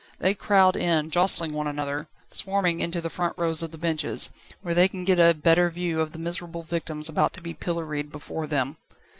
They crowd in, jostling one another, swarming into the front rows of the benches, where they can get a better view of the miserable victims about to be pilloried before them.